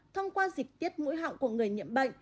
thông qua dịch tiết mũi họng của người nhiễm bệnh